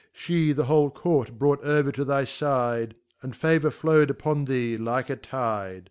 She the whole Court brought over to thy fide And favour flow'd upon thee like a Tide.